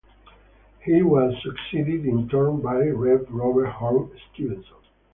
He was succeeded in turn by Rev Robert Horne Stevenson.